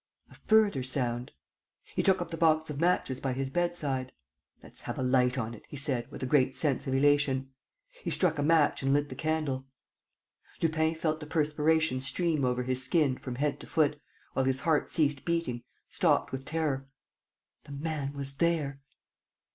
A further sound. ... He took up the box of matches by his bedside: "Let's have a light on it," he said, with a great sense of elation. He struck a match and lit the candle. Lupin felt the perspiration stream over his skin, from head to foot, while his heart ceased beating, stopped with terror. _The man was there.